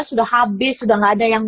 udah habis udah gak ada yang